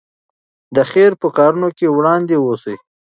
د خیر په کارونو کې وړاندې اوسئ.